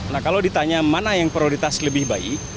nah kalau ditanya mana yang prioritas lebih baik